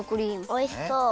おいしそう！